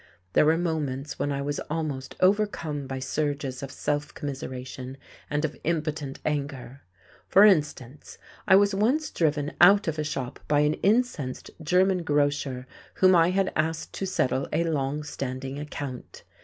There were moments when I was almost overcome by surges of self commiseration and of impotent anger: for instance, I was once driven out of a shop by an incensed German grocer whom I had asked to settle a long standing account.